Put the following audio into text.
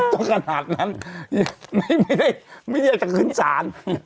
ต้องขนาดนั้นไม่ได้จะขึ้นศาล